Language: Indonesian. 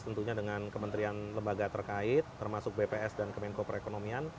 tentunya dengan kementerian lembaga terkait termasuk bps dan kemenko perekonomian